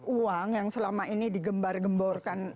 uang yang selama ini digembar gemborkan